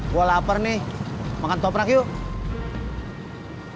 gue lapar nih makan toprak yuk